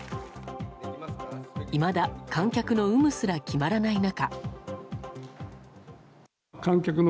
いまだ観客の有無すら決まらない中。